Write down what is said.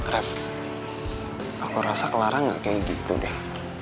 rep aku rasa kelarang gak kayak gitu deh